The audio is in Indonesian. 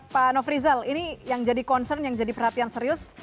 pak nofrizal ini yang jadi concern yang jadi perhatian serius